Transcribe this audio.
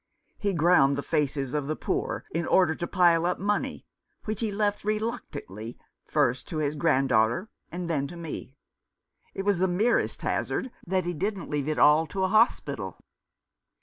He ground the faces of the poor in order to pile up money, which he left reluctantly, first to his grand daughter and then to me. It was the merest hazard that he didn't leave it all to a hospital."